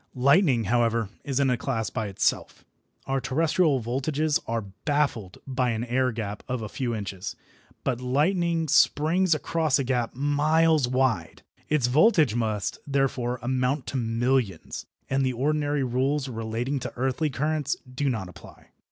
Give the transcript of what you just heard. Lightning, however, is in a class by itself. Our terrestrial voltages are baffled by an air gap of a few inches, but lightning springs across a gap miles wide. Its voltage must, therefore, amount to millions, and the ordinary rules relating to earthly currents do not apply.